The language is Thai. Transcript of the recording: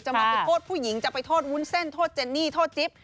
มาไปโทษผู้หญิงจะไปโทษวุ้นเส้นโทษเจนนี่โทษจิ๊บ